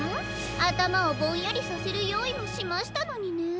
あたまをぼんやりさせるよういもしましたのにねえ。